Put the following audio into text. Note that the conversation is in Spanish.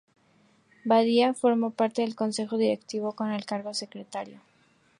Badia formó parte del Consejo Directivo con el cargo de secretario.